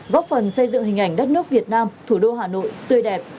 góp phần xây dựng hình ảnh đất nước việt nam thủ đô hà nội tươi đẹp